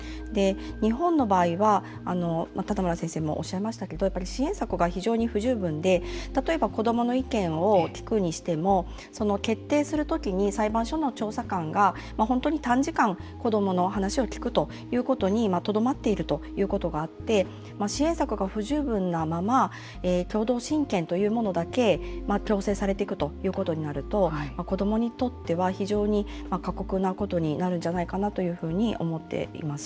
日本の場合は棚村先生もおっしゃいましたけどやっぱり支援策が非常に不十分で例えば、子どもの意見を聞くにしても、決定する時に裁判所の調査官が、本当に短時間子どもの話を聞くということにとどまっているということがあって支援策が不十分なまま共同親権というものだけ強制されてくということになると子どもにとっては非常に過酷なことになるんじゃないかなというふうに思っています。